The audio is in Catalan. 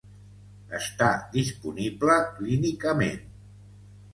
Està disponible clínicament.